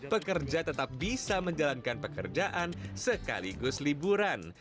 pekerja tetap bisa menjalankan pekerjaan sekaligus liburan